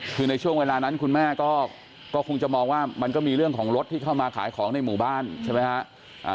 คือในช่วงเวลานั้นคุณแม่ก็คงจะมองว่ามันก็มีเรื่องของรถที่เข้ามาขายของในหมู่บ้านใช่ไหมฮะ